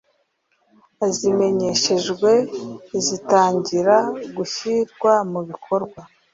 azimenyeshejwe zitangira gushyirwa mu bikorwa